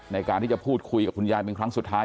ในการที่จะพูดคุยกับคุณยายเป็นครั้งสุดท้าย